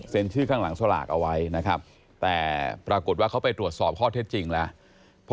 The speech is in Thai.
ชื่อข้างหลังสลากเอาไว้นะครับแต่ปรากฏว่าเขาไปตรวจสอบข้อเท็จจริงแล้ว